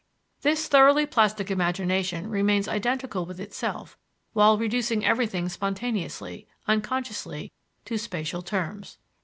This thoroughly plastic imagination remains identical with itself while reducing everything spontaneously, unconsciously, to spatial terms.